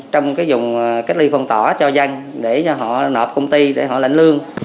trong cái vùng cách ly phong tỏa cho dân để họ nộp công ty để họ lãnh lương